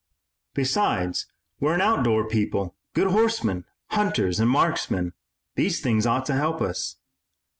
Besides, we're an outdoor people, good horsemen, hunters, and marksmen. These things ought to help us."